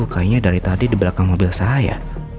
kayaknya dari tadi di belakang mobil saya